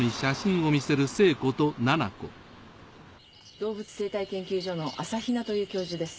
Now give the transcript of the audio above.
動物生態研究所の朝比奈という教授です。